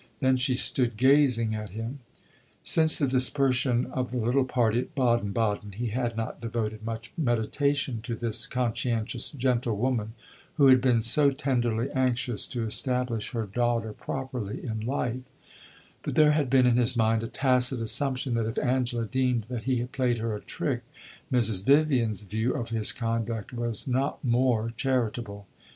Then she stood gazing at him. Since the dispersion of the little party at Baden Baden he had not devoted much meditation to this conscientious gentlewoman who had been so tenderly anxious to establish her daughter properly in life; but there had been in his mind a tacit assumption that if Angela deemed that he had played her a trick Mrs. Vivian's view of his conduct was not more charitable.